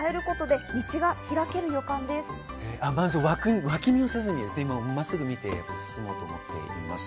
まず、わき見をせずに、まっすぐ見て進もうと思っています。